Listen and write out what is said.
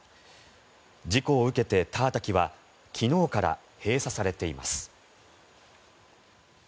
事故を受けてター滝は昨日から閉鎖されています。